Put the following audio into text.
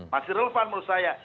masih relevan menurut saya